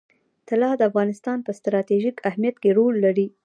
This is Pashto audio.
طلا د افغانستان په ستراتیژیک اهمیت کې رول لري.